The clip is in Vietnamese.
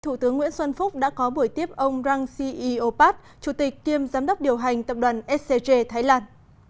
thủ tướng nguyễn xuân phúc đã có buổi tiếp ông rang ceopat chủ tịch kiêm giám đốc điều hành tập đoàn scg thái lan